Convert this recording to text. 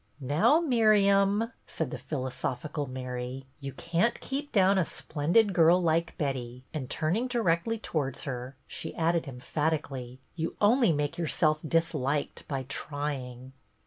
" Now, Miriam," said the philosophical Mary, " you can't keep down a splendid girl like Betty;" and, turning directly towards her, she added emphatically, " you only make yourself disliked by trying."